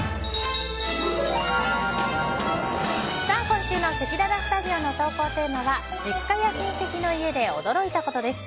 今週のせきららスタジオの投稿テーマは実家や親戚の家で驚いたことです。